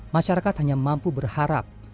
masyarakat hanya mampu berharap